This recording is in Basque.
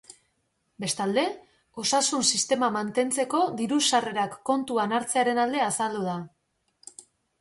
Bestalde, osasun sistema mantentzeko diru-sarrerak kontuan hartzearen alde azaldu da.